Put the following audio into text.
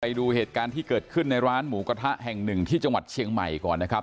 ไปดูเหตุการณ์ที่เกิดขึ้นในร้านหมูกระทะแห่งหนึ่งที่จังหวัดเชียงใหม่ก่อนนะครับ